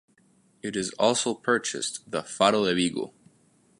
It also purchased the "Faro de Vigo".